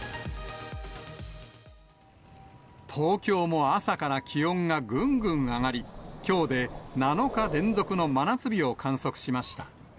東京も朝から気温がぐんぐん上がり、きょうで７日連続の真夏日を観測しました。